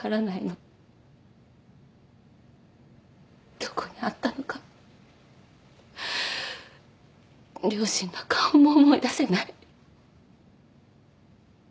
どこにあったのか両親の顔も思い出せない。